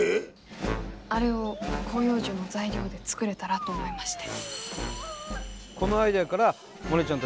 あれを広葉樹の材料で作れたらと思いまして。